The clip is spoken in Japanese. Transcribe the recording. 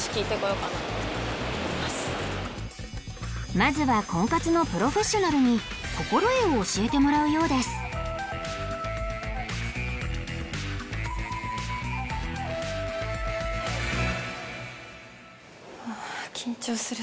まずは婚活のプロフェッショナルに心得を教えてもらうようですはあ緊張する。